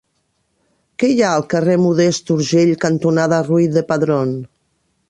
Què hi ha al carrer Modest Urgell cantonada Ruiz de Padrón?